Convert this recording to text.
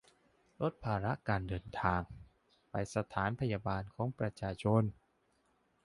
ลดภาระการเดินทาง ไปสถานพยาบาลของประชาชน